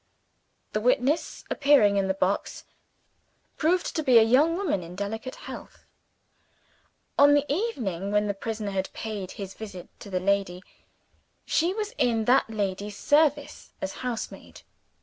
The witness, appearing in the box, proved to be a young woman, in delicate health. On the evening when the prisoner had paid his visit to the lady, she was in that lady's service as housemaid.